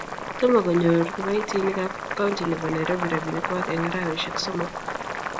Tomo konyor kibaitinik ab kaunti nebo nairobi rabinik kwak eng araweshek somok